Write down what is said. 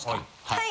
はい。